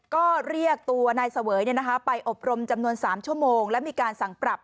ก็เรียกตัวนายเสวยไปอบรมจำนวน๓ชั่วโมงและมีการสั่งปรับ